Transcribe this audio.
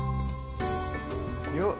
よっ！